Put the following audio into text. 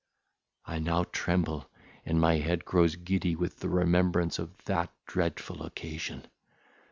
I now tremble, and my head grows giddy with the remembrance of that dreadful occasion.